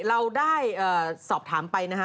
เราได้สอบถามไปนะฮะ